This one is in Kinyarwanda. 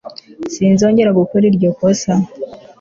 sinzongera gukora iryo kosa